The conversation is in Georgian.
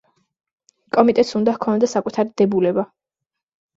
კომიტეტს უნდა ჰქონოდა საკუთარი დებულება.